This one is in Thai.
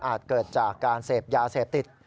เกิดจากการเสพยาเสพติด